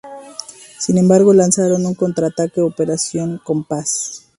Sin embargo lanzaron un contraataque, Operación Compass.